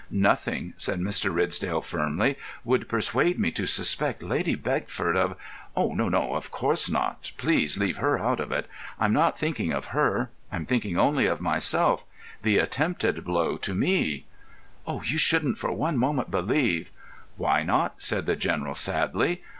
"Nothing," said Mr. Ridsdale, firmly, "would persuade me to suspect Lady Beckford of——" "No, no, of course not. Please leave her out of it. I'm not thinking of her. I'm thinking only of myself—the attempted blow to me." "You shouldn't for one moment believe——" "Why not?" said the General, sadly.